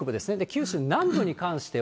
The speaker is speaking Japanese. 九州南部に関しては。